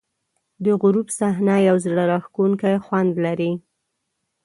د غروب صحنه یو زړه راښکونکی خوند لري.